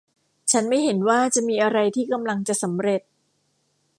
ฉันไม่เห็นว่าจะมีอะไรที่กำลังจะสำเร็จ